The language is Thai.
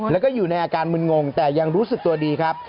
แล้วก็อยู่ในอาการมึนงงแต่ยังรู้สึกตัวดีครับ